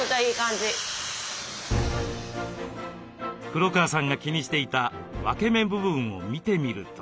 黒川さんが気にしていた分け目部分を見てみると。